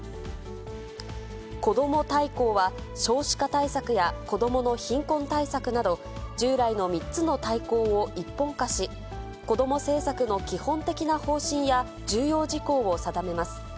こども大綱は、少子化対策やこどもの貧困対策など、従来の３つの大綱を一本化し、こども政策の基本的な方針や、重要事項を定めます。